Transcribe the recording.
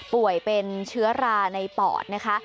ป่วยเป็นเชื้อราในปอดนะคะ